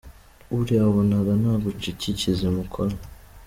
Buriya wabonaga naguca iki kizima ukora?